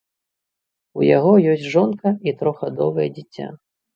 У яго ёсць жонка і трохгадовае дзіця.